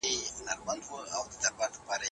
یوازې په وروستیو سلو کلونو کي ټولنپوهنه علم سو.